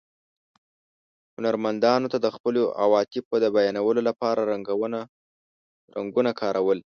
هنرمندانو د خپلو عواطفو د بیانولو له پاره رنګونه کارول.